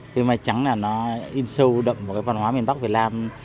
cây mai trắng là nó in sâu đậm vào cái văn hóa miền bắc việt nam